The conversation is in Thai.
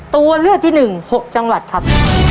ตัวเลือกที่๑๖จังหวัดครับ